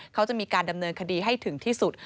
เขาจะมีการดำเนินคดีให้ถึงที่สุด